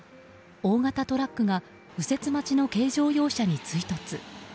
大型トラックが右折待ちの軽乗用車に追突。